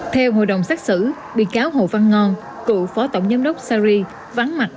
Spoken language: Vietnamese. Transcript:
theo hội đồng xét xử bị cáo hồ văn ngon cựu phó tổng giám đốc sài gòn vắng mặt